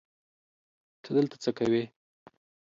ته دلته څه کوی